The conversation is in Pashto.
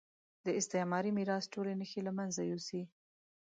د استعماري میراث ټولې نښې له مېنځه یوسي.